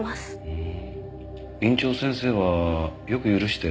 うん。